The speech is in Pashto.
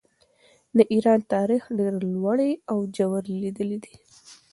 د ایران تاریخ ډېرې لوړې او ژورې لیدلې دي.